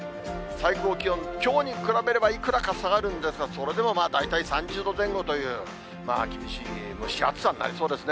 最高気温、きょうに比べればいくらか下がるんですが、それでもまあ、大体３０度前後という厳しい蒸し暑さになりそうですね。